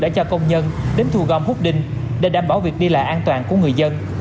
đã cho công nhân đến thu gom hút đinh để đảm bảo việc đi lại an toàn của người dân